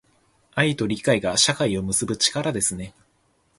愛と理解が、社会を結ぶ力ですね。